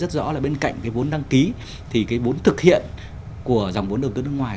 thì cái vốn thực hiện của dòng vốn đầu tư nước ngoài